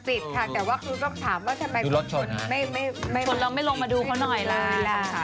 จรปิดค่ะแต่ว่าคุณก็ถามว่าทำไมคนเราไม่ลงมาดูเขาหน่อยเลยล่ะ